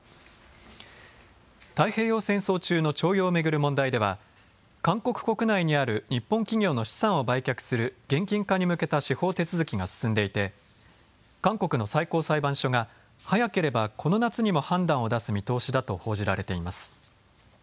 太平洋戦争中の徴用を巡る問題では、韓国国内にある日本企業の資産を売却する現金化に向けた司法手続きが進んでいて、韓国の最高裁判所が早ければこの夏にも判断を出す見通しだと報じられています。